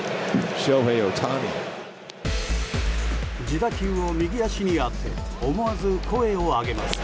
自打球を右足に当て思わず声を上げます。